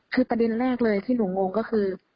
คือประเด็นแรกเลยที่หนูงงก็คือ